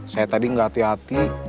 saya tadi nggak hati hati